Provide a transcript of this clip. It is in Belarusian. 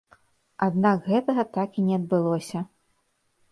Аднак гэтага так і не адбылося.